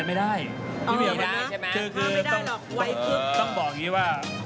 รายการหน้า